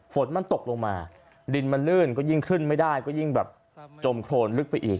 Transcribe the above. ฝนมันตกลงมาดินมันลื่นก็ยิ่งขึ้นไม่ได้ก็ยิ่งแบบจมโครนลึกไปอีก